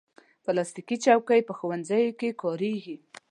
پلاستيکي چوکۍ په ښوونځیو کې کارېږي.